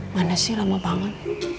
mana sih lama banget